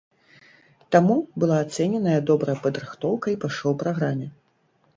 Таму была ацэненая добрая падрыхтоўка і па шоу-праграме.